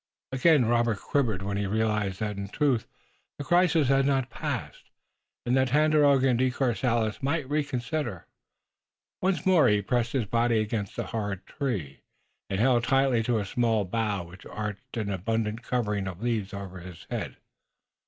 Again Robert quivered when he realized that in truth the crisis had not passed, and that Tandakora and De Courcelles might reconsider. Once more, he pressed his body hard against the tree, and held tightly to a small bough which arched an abundant covering of leaves over his head.